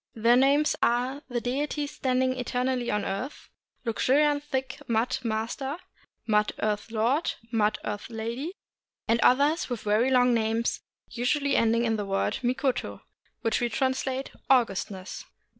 Their names are The Deity Standing Eter nally on Earth, Luxuriant Thick Mud Master, Mud Earth Lord, Mud Earth Lady, and others with very long names, usually ending in the word mikoto, which we translate "augustness."